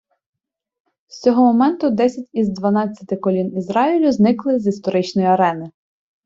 З цього моменту десять із дванадцяти колін Ізраїлю зникли з історичної арени.